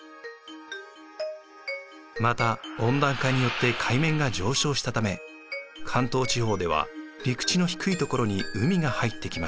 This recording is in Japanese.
また温暖化によって海面が上昇したため関東地方では陸地の低い所に海が入ってきました。